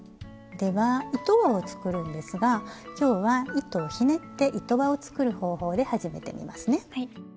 では糸輪を作るんですが今日は糸をひねって糸輪を作る方法で始めてみますね。